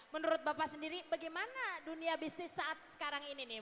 menurut bapak sendiri bagaimana dunia bisnis saat sekarang ini nih